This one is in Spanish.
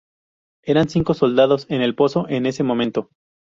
Eran cinco soldados en el pozo en ese momento.